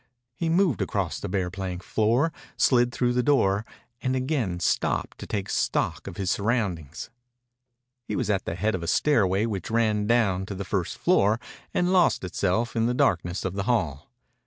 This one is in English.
He moved across the bare plank floor, slid through the door, and again stopped to take stock of his surroundings. He was at the head of a stairway which ran down to the first floor and lost itself in the darkness of the hall.